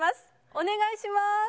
お願いします。